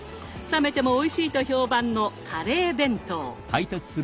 冷めてもおいしいと評判のカレー弁当。